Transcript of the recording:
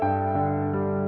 kalau mau ke naya